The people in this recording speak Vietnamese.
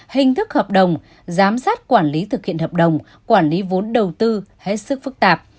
hình thức hợp đồng giám sát quản lý thực hiện hợp đồng quản lý vốn đầu tư hết sức phức tạp